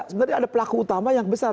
sebenarnya ada pelaku utama yang besar